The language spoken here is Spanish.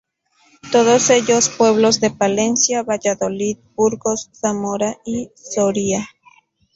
Todos ellos pueblos de Palencia, Valladolid, Burgos, Zamora y Soria.